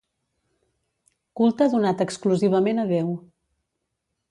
Culte donat exclusivament a Déu.